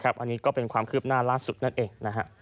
อันนี้ก็เป็นความคืบหน้าล่าสุดนั่นเองนะฮะ